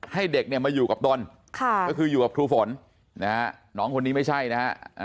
ให้เด็กเนี่ยมาอยู่กับตนก็คืออยู่กับครูฝนนะฮะน้องคนนี้ไม่ใช่นะฮะ